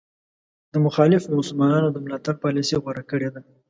د مخالفو مسلمانانو د ملاتړ پالیسي غوره کړې ده.